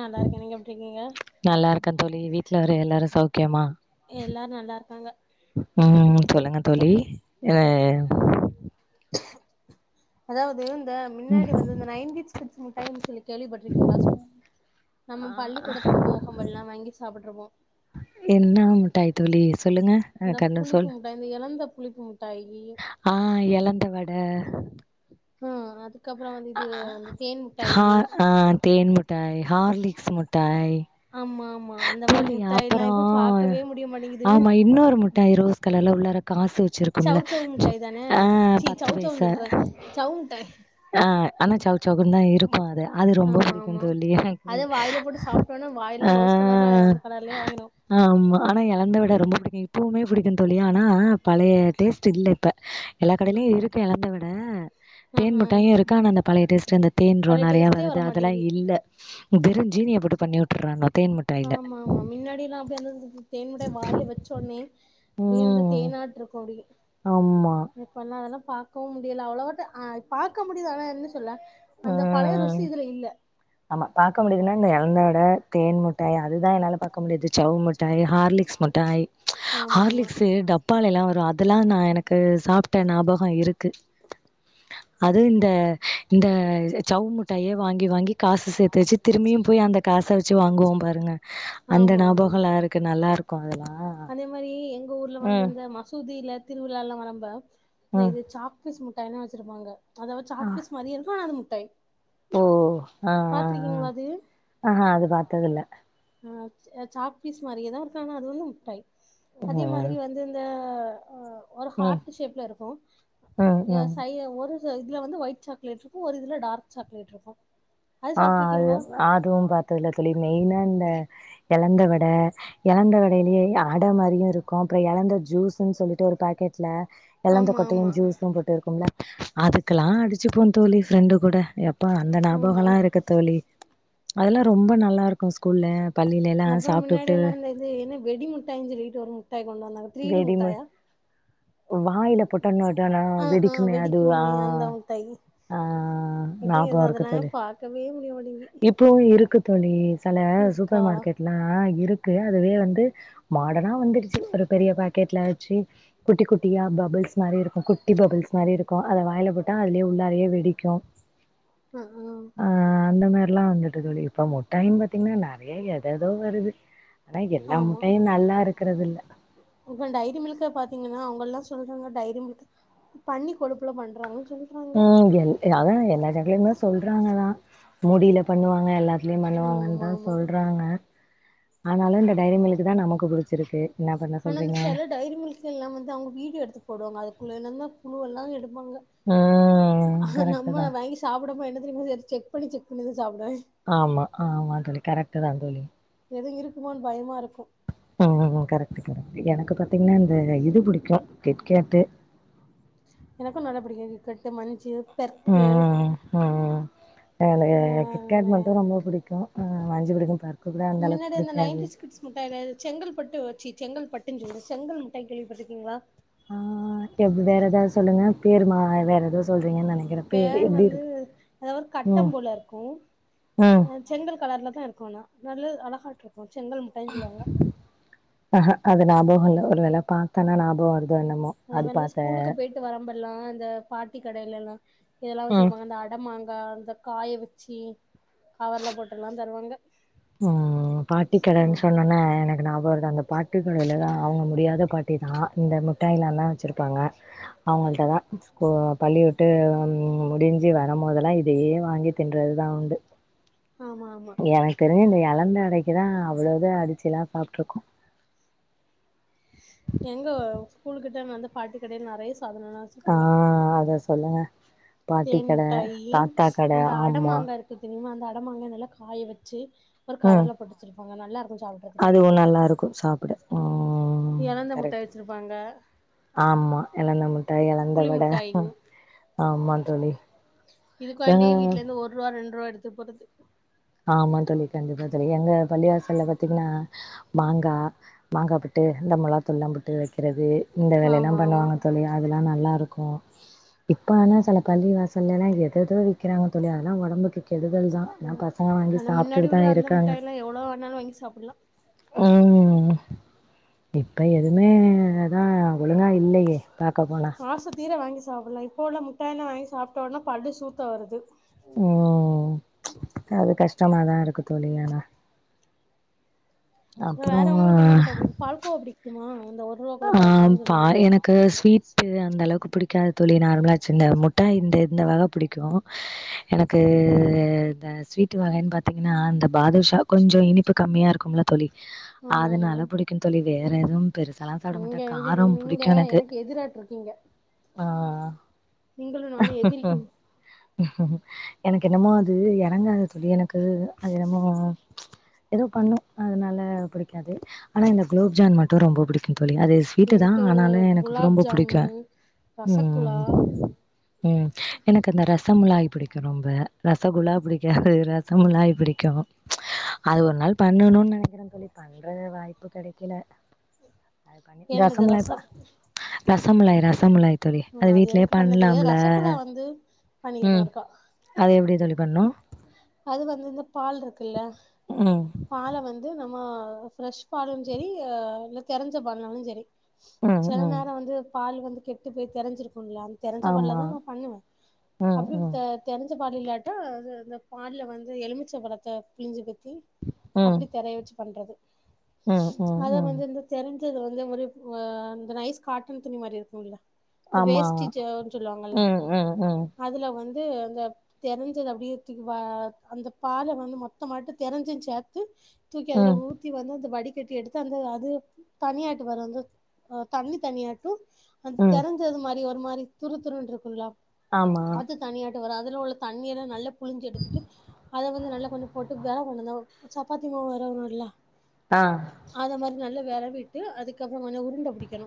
நல்லா இருக்கேன் நீங்க எப்படி இருக்கீங்க நல்லா இருக்கே தோழி வீட்டுல வேற எல்லாரும் சௌக்கியமா எல்லாரும் நல்லா இருக்காங்க ம் சொல்லுங்க தோழி என் அதாவது ம், முன்னாடி வந்து நைன்டின் கிட்ஸ் டைம் சொல்லி கேள்விப்பட்டுருக்கீங்களா நம்ம பள்ளிக்கூடத்துக்கு போகும்பல்லாம் வங்கி சாப்பிட்டுருவோம் என்ன மிட்டாய் தோழி சொல்லுங்க இந்த புளிப்புமிட்டாய் இந்த எழந்த புளிப்பு மிட்டாய் ஆஹ் எழந்த வடை ம்ம்ம் ஆஹ் ஆஹ் தேன் மிட்டாய் ஹார்லிக்ஸ் மிட்டாய் ஆமா ஆமா அந்த மாதிரி மிட்டாய் எல்லாம் இப்போ பார்க்கவே முடியமாட்டேங்குது ஆமா இன்னொரு முட்டாய் ரோஸ் கலர்ல உள்ளார காசு வச்சிருக்கும்ல ஆஹ சி பத்து சவ் சவ்னு பைசா சொல்றே சவ் முட்டாய் ஆஹ ஆனா சவு சவு தான் இருக்கும் இரு அது அது ரொம்ப ஆமா பிடிக்கும் ஆமா தோழி எனக்கு அத வாயில போட்டு சாப்ட்டோனா வாயெல்லா ரோஸ் கலர்ல ஆயிரு ஆஹ் அந்த கலர்லயே ஆயிரு ஆமா ஆனா எழந்த வடை ரொம்ப பிடிக்கும் பூவுமே புடிக்கும் தோழி ஆனா பழைய டேஸ்ட் இல்ல இப்ப எல்லா கடையிலயு இருக்கு இலந்த வட ம் ம் தேன்முட்டாயும் இருக்க ஆனா அந்த பழைய டேஸ்ட் இந்த தேன் பழைய நிறைய டேஸ்ட்டே வருது அதெல்லாம் வரமாட்டேங்கி இல்ல பிரிஞ்சி நீ அப்படி பண்ணி விட்டு்றாங்க ஆமா ஆமா மின்னாடில்லாம் அப்படிய வந்த தேன்மிட் டாய வாயில வச்சோடனே அப்படியே ம் தேனாட்டு இருக்கு அப்படியு ஆமா அதெல்லா பாக்கவும் முடியல அவ்ளவாட்டு பாக்க முடிது ஆனா என்ன சொல்ல அந்த பழைய ம் ருசி இதுல இல்ல ஆமா பா்க்க முடியுதுன்னா இந்த இலந்த ட தேன்முட்டை அதுதான் என்னால பாக்க முடிது ஜவ் மிட்டாய் ஹார்லிக்ஸ் முட்டாய் ஆமா ஆமா ஹார்லிக்ஸ்ஸு டப்பால எல்லா வரு அதெல்லாம் நான் எனக்கு சாப்ட்டு ஞாபகம் இருக்கு அதுவும் இந்த இந்த சவ் மிட்டாயே வாங்கி வாங்கி காசு சேத் வச்சு திரும்பியும் போய் அந்த காசை வச்சு வாங்குவோம் பாருங்க அந்த ஆமா ஆமா ஞாபகலா இருக்கு நல்லா இருக்கு அதலாம் அதே மாதிரி எங்க ஊர்ல வந்து இந்த மசூதியில திருவிழால்லாம் வரம்ப இல்ல ம் இது சாக்லஸ் [unintelligible] டைன வச்சருப்பாங்க அதாவ சாப்பீஸ் மாதிரி இருக்கு அது தை ஓஹ் ஆஹ்ஹ்ஹ் அது ஆஹ்ஹா அது பாத்தது இல்ல சாப்பீஸ் மாரியேதாருக்கானா அது வந்து டை அதே ம் மாதிரி வந்து இந்த ஒரு ம் ஹார்ட்டு ஷேப்ல இருக்கோ ம் எ ம் சை அ ஒரு இதுல வந்து ஒயிட் சாக்லேட் இருக்கு ஒரு இதுல டார்க் சாக்லேட் இருக்கு அது ஆ அது சாப்ட்ருக்கீங்களா அதுவு பாத்ததில தோழி மெயினா இந்த எலந்த வட எலந்த வடைலயே அட மாரியுருக்கோ அப்றோ எலந்த ஜுசுன் சொல்லிட்டு ஒரு பாக்கெட்ல எலந்த ஆமா கொட்டயு ஆமா ஜுஸு போட்டு இருக்கும்ல அதுக்குலா அடுச்சிப்போ தோழி ஃப்ரெண்டு கூட எப்பா ஆமா போகலா இருக்க தோழி அதெல்லா ரொம்ப நல்லாருக்கு ஸ்கூல்ல பள்ளியிலலாம் அப்றோ முன்னாடி சாப்ட்டுபுட்டு எல்லா இந்த இது என்ன வெடி முட்டாய்ன் சொல்லிட்டு ஒரு முட்டாய் கொண்டு வந்தாங்க த்ரீடி முட்டாயா வாய்ல போட்டோனே இதானா ஆ ஆ வெடிக்குமே அதுவா அந்த முட்டாய் ஆ இப்ப எது ஞாபகோ இருக்கு அதெல்லா தோழி பாக்கவே முடிய மாட்டேங்கி இப்பவு இருக்கு தோழி செல சூப்பர் இருக்கா மார்க்கெட்லா இரு க்கு அதுவே வந்து மாடனா வந்துடுச்சு ஒரு பெரிய பாக்கெட்ல வெச்சு குட்டி குட்டியா பபுள்ஸ் மாரி இருக்கு குட்டி பபுள்ஸ் மாரி இருக்கு அத வாய்ல போட்டா அதுலே உள்ளாரையே வெடிக்கு ஆ அந்தமேரில்லா வந்துட்டு தோழி இப்ப முட்டாயினு பத்தீங்ன்னா நறைய எதேதோ வருது ஆனா‌ எல்லா முட்டாயு நல்லாரு க்குறதுல்ல ம்ஹூம் டைரி மில்க்க பாத்தீங்கன்னா அவுங்கல்லா சொல்றாங்க டைரி மில்க் பன்னி கொழுப்புல பண்றாங்க ம் எல் அதா எல்லா சாக்லேட்டுமே சொல்றாங்கதா முடில பண்ணுவாங்க எல்லாத் திலையு ஆமா பண்ணுவாங்கன்னுதா ஆமா சொல்றாங்க ஆனாலு இந்த டைரி மில்க்கு தா நமக்கு புடுச்சிருக்கு ஆனா இந்த செல டைரி மில்க்கு எல்லா வந்து அவுங்க வீடியோ எடுத்து போடுவாங்க அதுக்குள்ள என்னானமோ புழுவெல்லா எடு ஆமாங்க, ம் அ கரெக்ட்டு நம்ம தா வாங்கி சாப்புடமா என்ன தெரியுமா செய்றது செக் செக் பண்ணி செக் பண்ணிதா சாப்பிடுவே ஆமா, ஆமா தோழி கரெக் ட்டுதா தோழி எதுவு இருக்குமான்னு பயமா இருக்கு ம், ம் கரெக்ட் கரெக்ட் எனக்கு பாத்தீங்கன்னா இந்த இது புடிக்கு கிட்கேட்டு எனக்கு நல்லா புடிக்கு கிட்கேட்டு மஞ்ச்சு ம், ம் அப்புறோ எனக்கு வேற என்ன கிட்கேட் மட்டு ரொம்ப புடிக்கும் அ வஞ்சு குடிக்கு பா மின்னாடி அந்த நைன்டிஸ் கிட்ஸ் முட்டாய் செங்கல்பட்டு வச்சி செங்கல்பட்டுன்னு சொல்றே செங்கல் முட்டாய்ன்னு கேள்விப்பட்டு இருக்கீங்களா ஆஹ் [unintelligible] வேற ஏதாவது சொல்லுங்க பேரு வேற ஏதாவது பேர் வந்து அதாவது கட்டம் ம் போல இருக்கும் ம் செங்கல் கலர்ல தா இருக்கும் ஆனா நல்ல அழகாய்ட்டுருக்கு ஆஹன் அது ஞாபகம் இல்ல ஒருவேள பாத் தன நாபோ வருத் தோ எண்ணமோ அது பாக்க ல்லாம் இந்த பாட்டி கடையில எல்லா இதெல்லா ம் வச்சுருப்பாங்க அந்த அட மாங் காய் அந்த காய வெச்சு கவர்லா போட்டல்லா தருவாங்க உம் பாட்டி கடைன்னு ம் சொன்னேன்ன எனக்கு நாபக வருது அந்த பாட்டிக்கடைலதா அவுங்க முடியாத பாட்டி தா இந்த மிட்டாயேல்லா வச்சிருப்பாங்க அவங்கள்ட்ட தா ப பள்ளி விட்டு முடிஞ்சு வர போதெல்லா இதயே வாங்கி தின்றது தா உண்டு ஆமா ஆமா எனக்கு தெரிஞ்சு இந்த இலந்த அடைக்குதா அவ்ளேது அடிச்சு எல்லா சாப்ட்டுருக்கோ எங்க ஸ்கூலு கிட்ட வந்து பாட்டி கடைல நெறய சாதனல்லா ஆ வெச்சிருப்பாங்க அத சொல்லுங்க பாட்டி கட தேன்முட்டாயி தாத்தா கட அந்த ஆமா அடமாங்கா இருக்கு தெரியுமா அந்த அடமாங்க நல்லா காய வெச்சு ஒரு ம் கவர்ல போட்டுவச்சி அங்க நல்லாருக்கு அதுவு நல்லா இருக்கும் சாப்பிட உம் எலந்த முட்டாய் கரெக்ட் வச்சிருப்பாங்க ஆமா எழந்த முட்டாய் எழந்த புளி வட முட்டாய்ங்க ஆமா தோழி ஆ இதுக்காண்டி வீட்லருந்து ஒரு ரூவா ரெண்டு ரூவா எடுத் து போறது ஆமா தோழி கண்டிப்பா தோழி எங்க பள்ளிவாசல்ல பாத்தீங்ன்னா மாங்கா மாங்கா புட்டு அந்த மெளாத்தூள்லா போட்டு வைக்கறது இந்த வேலையெல்லா ஆமா ஆமா பண்ணுவாங்க தோழி அதெல்லா நல்லாருக் க்கு இப்ப ஆனா சில பள்ளி வாசலெல்லா எது ஏதேதோ விக்கிறாங்க தோழி அதெல்லா ஒடம்புக்கு கெடுதல் தா நா ம் ஆனா மின்னாடி உள்ள அந்த மிட்டாய்லா எவ்ளோ வேணாலு வாங்கி சாப்பிடலா உம் இப்ப எதுவுமே அதா ஒழுங்கா இல்லையே பாக்க போனா சாப்புடுலா இப்ப உள்ள முட்டாயெல்லா வாங்கி சாப்ட்டோனா பல்லு சூத்த வருது உம் ச் அது கஷ்டமாதா இருக்கு தோழி ஆனா அப்றோ வேற உங்களுக்கு என்ன முட்டாய் புடிக்கு பால்கோவா புடிக்குமா ஆஹ் ப்ப எனக்கு ஸ்வீட் அந்த அளவுக்கு புடிக் காது தோழி நார்மலா ச் இந்த முட்டாய் இந்த இந்த வக புடிக்கு எனக்கு இந்த ஸ்வீட்டு வகன்னு பாத்தீங்ன்னா இந்த பாதுஷா கொஞ்சொ இனிப்பு கம்மியா இருக்கும்ல தோழி ஆமா அதுனாலா புடிக்கும் தோழி வேற எதுவும் பெருச ங்கங்க நீங்க எனக்கு எதிராட்டுருக்கீங்க ஆஹ் நீங்களு நானு எதிரி எனக்கென்னமோ அது எறங்காது தோழி எனக் கு அது என்னமோ எதோ பண்ணு அதனால புடிக்காது ஆனா இந்த குலோப்ஜான் மட்டு ரொம்ப புடிக்கு தோழி அது ஸ்வீட்டுதா எனக்கு ஆனாலு எனக்கு குலாப் ரொம்ப ஜாமு புடிக்கு ரசகுல்லா உம் உம் எனக்கு அந்த ரசமுலாய் புடிக்கு ரொம்ப ரசகுல்லா புடிக்காது ரசமலாய் பிடிக்கு அது ஒரு நாள் பண்ணணுன் நெனைக்கிறே தோழி பண்றது வாய்ப்பு கெடைக்கல என்னது ரசமலாய்ப்பா ரச ரசமுலாய் ரசமுலாய் தோழி ம் அது வீட்லேயே எனக்கு பண்ண பண்லாம் தெரியாது ல ரசகுல்லா வந்து பண்ணியிருக்கே உம் ஒருக்கா அது எப்டி தோழி பண்ணு அது வந்து இந்த பால் இருக்குல்ல ம். பால வந்து நம்ம ஃப்ரஷ் பாலும் சரி ஆஹ் இல்ல கெரஞ்ச பால்னாலு சரி ம் செல ம். நேரொ வந்து பால் வந்து கெட்டு போய் தெரஞ்சிருக் கும்லயா அத தெரஞ்ச ஆமா. பால்லதா நா பண்ணுவ ம் அப்டிப் ம். தெ தெரஞ் ஞ்ச பால் இல்லாட்டா அது அந்த பால்ல வந்து எலுமிச்சம் பழத்தப் பிழிஞ்சு ம் ம். அப்படி தெரைய வச்சு பண்றது ம் ம் அத ம். வந்து இந்த திரண்டு த்து வந்து ஒரு அ அந்த நைஸ் காட்டன் துணி மாரி இருக்குல்ல இந்த ஆமா. வேஸிஜ் [unintelligible] சொல்லுவாங்கல்ல ம் ம் ம். து அந்த தெருஞ்சது அப்டியே [unintelligible] தூக்கி அதுல ம் ஊத்தி வந்து அது வடி கட்டி எடுத்து அந்த அது தனியாட்டு வரும் அது தண்ணி தனியாருக்கும் அந்த ம். தெறஞ்சது மாதிரி [unintelligible] ஒரு மாரி துரு துருனு இருக்குள்ளா ஆமா வ அதுல உள்ள தண்ணீர நல்ல பிழிஞ்சி எடுத்துட்டு அத வந்து நல்லா கொஞ்சம் போட்டு வெரவணும் த சப்பாத்தி மாவு வெரவணும்ல தா வெறவிட்டு அதுக்கப் ஊர்னோனே உருண்ட புடிக்கணு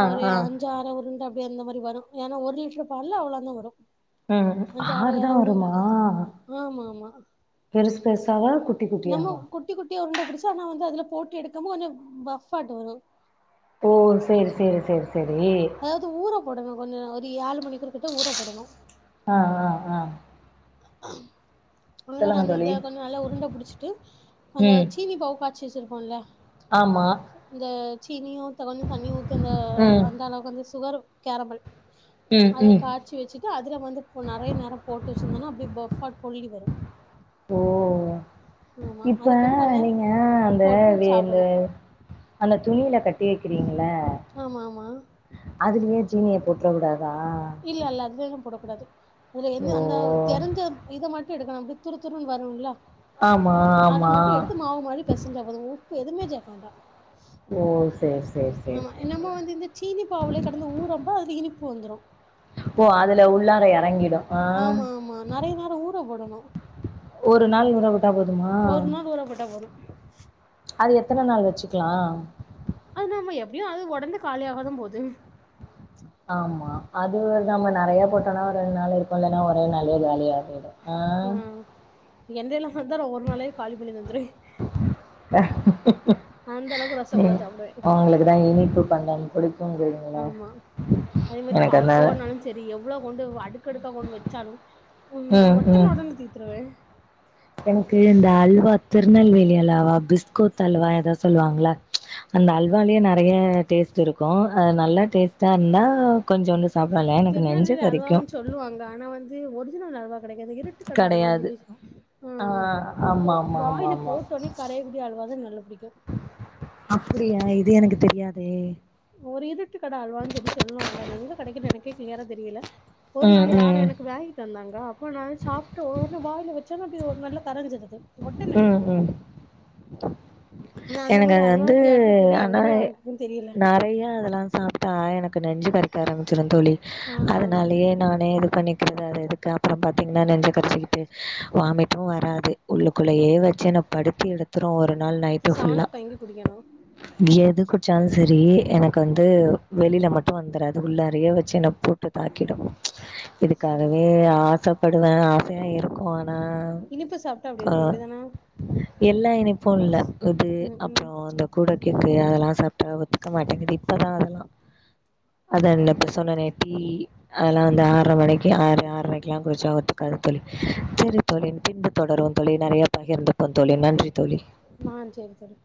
ஆ ஒரு ஆ. அஞ்சாறு உருண்ட வெண்ணெ மாரி வரு ஏனா ஒரு லிட்ரு பால்ல அவ்ளந் தா வரு அ ஆறு தா வருமா ஆமாமா பெருசு பெருசாவா குட்டி நம்ம குட்டியாவா குட்டி குட் ட்டியா உருண்ட புடிச்சி ஆனா வந்து அதுல போட்டு எடுக்காம அதுல பஃப்ஃபாட்டவரு ஓ சேரி சேரி சேரி சே தெரி அதாவது ஊற போடணு கொஞ்சோ ஒரு ஏழு மணிக் குறுப்பிட்டு ஊர போடணு ஆ ஆ ஆ சொல்லுங்க ஒவ்வொராளு தோழி இத கொஞ்சோ நல்லா உருண்ட புடிச்சிட்டு அந்த ம் சீனி பவுக் கா ச்சு வெச்சுருப்போல்ல ஆமா இந்த தீனியு தெனமு தண்ணி ஊத்தி அந்த ம் அந்த அளவுக்கு வந்து சுகரு கேரமெல் ம் அத ம் காச்சி வெச்சிட்டு அதுல வந்துப்போ நெறைய நேர போட்டு வெச்சிருந்தனா ஃபப்பாட் கொள்ளி வரு ஓ ஆமா இப்ப அதுக்கப்றோ கொஞ்ச நேரோ நீங்க அந்த போட்டு வெ இந்த சாப்டணு அந்த துணியில கட்டி வைக்கிறீங்க குல ஆமா ஆமா அதுலயே சீனிய போட்டுரக் கூடாது இல்ல இல்ல அதுவே எங் [unintelligible] க போடக்கும் கூடாது ல என்ன ஓ அந்த தெரிஞ்ச இத மட்டும் எடுக்கணும் அப்படி துரு துருன்ன வரும்லா ஆமா அதை ஆமா மட்டும் எடுத்து மாவு மாதிரி பெசைஞ்சா போதும் ப்ப எதுவுமே ஜெயமாட்டா ஓ சேரி சேரி சேரி ஆமா நம்ம சேரி வந்து இந்த சீனி பாவுலயே கிடந்து ஊறப்போஅது இனி போ வந்துரும் ஓ அதுல உள்ளார இறங்கிடும் ஆஹ் ஆமா ஆமா நெறைய நேரோ ஊற போடணு ஒரு நாள் போதுமா ஒரு நாள் ஊற போட்டா போது அது எத்தனை நாள் வச்சுக்கலாம் அது நாம எப்படியும் அது உடந்து காலி ஆகதா போகுது ஆமா அது நம்ம நிறைய போட்டோம்னா ரெண்டு நாள் இருக்கும் இல்லேன்னா ஒரே நாளிலியே காலியாகிடும் ஆஹ் எண்ணெய்லே வந்த ஒரு நாளே காலிபண்ணி அளவுக்கு ரசகுல்லா சாப்டுவே அவங்களுக்குதான் இனிப்பு பண்ணணும் கொடு ஆமா அதே மாதிரி எனக்கு பால் அதனால கோவானாலும் சரி எவ்வளவு கொண்டு அடுக்க அடுக்கா கொண்டு வச்சாலும் உம் ம் ம் மொத்தமாவே தீத்துருவேன் எனக்கு எந்த அல்வா திருநெல்வேலி அல்வா ந [unintelligible] திருநெல்வேலி அல்வான்னு சொல்லுவாங்க ஆனா வந்து ஒரிஜினல் அல்வா இருட்டுக்கடை அல்வா கெடையாது சொல்லி ஆ ம்ம் ஆமா ஆமா வாயில போட்ட உடனே கரையக்கூடிய அல்வாதான் நல்ல அப்படியா இது இது எனக்கு தெரியாதே ஒரு இருட்டு கடை அல்வான்னு சொல்லி சொல்லுவாங்க அது எங்கே கிடைக்குன்னு எனக்கே கிளியரா தெரியல ஒரு ம் நாள் யாரும் ம் எனக்கு வாங்கிட்டு தந்தாங்க ஒரு நாள்சாப்ட்டு ஒ வாயில வச்சவுடனே அப்படி ஒரு நல்லா கரஞ்சறது. உம் உம் நா அந்த எனக்கு மாரி அது அல்வா வந்து, கேட்டுட்டு இருக்கே எங்க ஆனா போய் வாங்குறதுன்னு தெரியல நறைய அதெல்லா சாப்டா எனக்கு நன்றி கருத்த ஆரம்பிச்சிருந்த தோழி ஆ ஆ அதனாலயே நானே இது பண்ணிக்கறது அது எதுக்கு அப்புறம் பாத்தீங்கன்னா நெஞ்ச கரிச்சிக்கிட்டு வாமிட்டு வராது உள்ளுக்குள்ளேயே வச்சுன்ன படுத்தி எடுத் ரு ஒரு நாள் நைட்டு ஃபுல்லா செவனப் வாங்கி குடிக்கணு எதுக்கு சாலு சரி எனக்கு வந்து வெளில மட்டு வந்தராது உள்ளாறய வச்சு என்ன போட்டு தாக்கிடு ப்ச் சேரி இதுக்காகவே ஆச படுவ ஆசையா இருக் கு ஆனா அப்புடி ஆ இருக்கு அப்படிதானா எல்லா இனிப் பு இல்ல இது அப்புற ம் அந்த கூட க்கு அதல்லா சாப்டா ஒத்துக்க மாட்டேங்குது இப்பதா அதெல்லா அத இப்ப சொன்னனே பீ அதல்லா வந்து ஆர்ற மணிக்கு ஆறு ஆற்ரைக்கல்லா குடிச்சா ஒத்துக்காது தோழி சரி தோழி பின்பு தொடருவோம் தோழி நறையா பகிர்ந்துட்டோ தோழி நன்றி தோழி ஆஹ் சரி சரின்